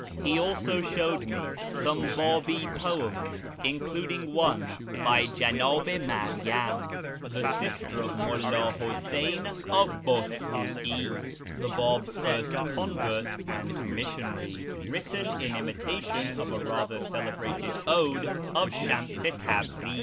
He also showed me some Babi poems, including one by " Jcndh i Maryam" (the sister of Mulla Huseyn of Bushraweyh, the Bab's first convert and missionary), written in imitation of a rather celebrated ode of Sharas i Tabriz.